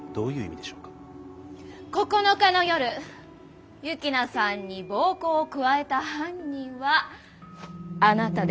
９日の夜幸那さんに暴行を加えた犯人はあなたですね？